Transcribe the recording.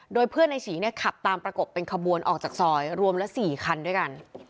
โดยเพื่อนในฉีเนี่ยขับตามประกบเป็นขบวนออกจากซอยรวมละ๔คันด้วยกัน